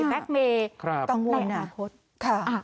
แบ็คเมย์ต่างวนอาทิตย์